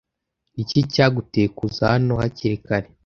Niki cyaguteye kuza hano hakiri kare?